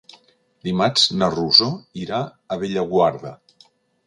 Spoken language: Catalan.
Dimarts na Rosó irà a Bellaguarda.